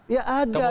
ya ada itu amarnya